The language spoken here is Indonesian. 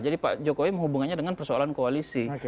jadi pak jokowi menghubungannya dengan persoalan koalisi